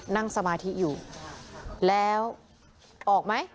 นั่งสมาธิอยู่แล้วออกไหม